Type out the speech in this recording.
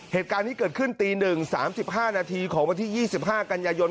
เหตุการณ์นี้เกิดขึ้นตี๑๓๕นาทีของวันที่๒๕กันยายน